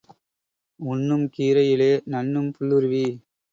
உண்ணும் கீரையிலே நண்ணும் புல்லுருவி.